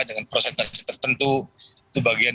dengan prosentase tertentu itu bagian